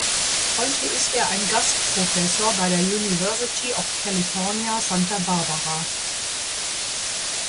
Heute ist er ein Gastprofessor bei der University of California, Santa Barbara.